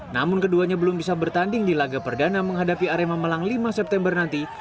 namun keduanya belum bisa bertanding di laga perdana menghadapi arema malang lima september nanti